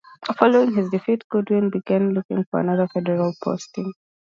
Following his defeat, Goodwin began looking for another federal posting.